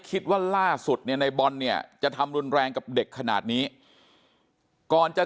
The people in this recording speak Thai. คิดว่าล่าสุดเนี่ยในบอลเนี่ยจะทำรุนแรงกับเด็กขนาดนี้ก่อนจะ